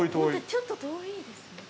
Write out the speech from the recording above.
◆ちょっと遠いですね。